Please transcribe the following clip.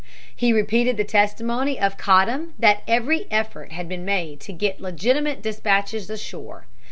He repeated the testimony of Cottam that every effort had been made to get legitimate dispatches ashore.